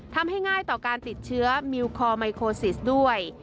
ทำให้ง่ายต่อการติดเชื้อมิวคอร์ไมโคซิสด้วย